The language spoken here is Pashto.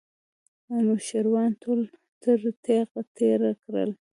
انوشیروان ټول تر تېغ تېر کړل.